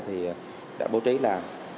thì đã bố trí là